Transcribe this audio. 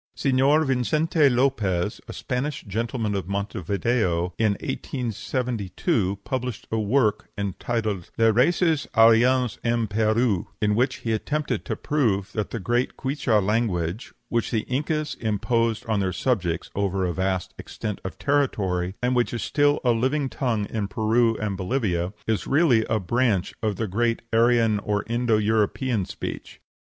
Señor Vincente Lopez, a Spanish gentleman of Montevideo, in 1872 published a work entitled "Les Races Aryennes in Pérou," in which he attempts to prove that the great Quichua language, which the Incas imposed on their subjects over a vast extent of territory, and which is still a living tongue in Peru and Bolivia, is really a branch of the great Aryan or Indo European speech.